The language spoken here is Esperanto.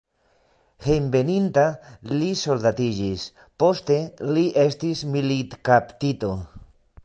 Hejmenveninta li soldatiĝis, poste li estis militkaptito.